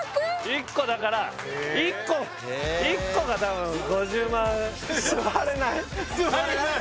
１個だから１個１個が多分５０万座れない？